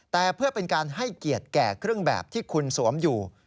แต่เพื่อเป็นการให้เกียรติแก่เครื่องแบบที่คุณสวมอยู่